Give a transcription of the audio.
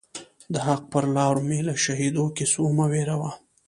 د حق پر لار می له شهیدو کیسو مه وېروه